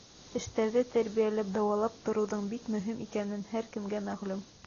Тештәрҙе тәрбиәләп, дауалап тороуҙың бик мөһим икәне һәр кемгә мәғлүм.